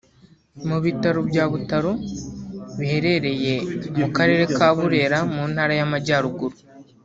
Ibitaro bya Butaro biherereye mu karere ka Burera mu Ntara y’Amajyaruguru